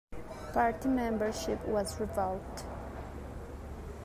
Party membership was revoked.